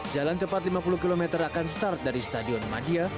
jalan cepat lima puluh km akan start dari stadion madia